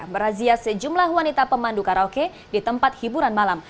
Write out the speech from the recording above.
merazia sejumlah wanita pemandu karaoke di tempat hiburan malam